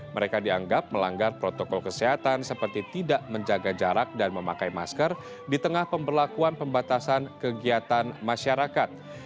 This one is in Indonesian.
mereka dianggap melanggar protokol kesehatan seperti tidak menjaga jarak dan memakai masker di tengah pemberlakuan pembatasan kegiatan masyarakat